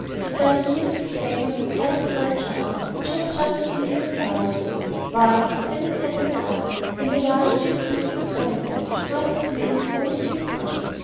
He felt the mystic pang of the parent for a child which has just breathed and died. Why had it happened thus, when the least shifting of influences might have made it all so different?